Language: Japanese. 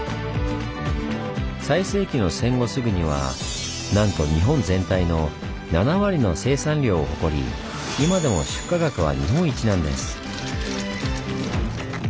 最盛期の戦後すぐにはなんと日本全体の７割の生産量を誇り今でも出荷額は日本一なんです。